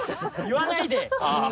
言わないで！